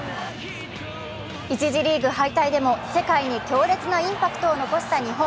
１次リーグ敗退でも世界に強烈なインパクトを残した日本。